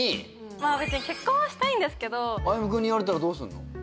まあ別に結婚はしたいんですけどあゆむくんに言われたらどうすんの？